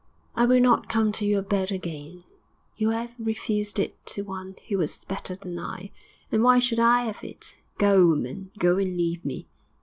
'I will not come to your bed again. You 'ave refused it to one who was better than I; and why should I 'ave it? Go, woman; go and leave me.'